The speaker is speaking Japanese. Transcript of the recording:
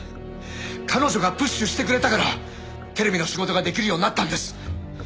彼女がプッシュしてくれたからテレビの仕事ができるようになったんです。